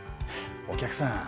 お客さん。